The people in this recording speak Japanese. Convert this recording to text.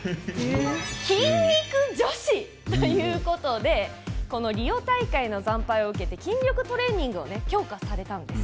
「筋肉女子」ということでこのリオ大会の惨敗を受けて筋力トレーニングを強化されたんです。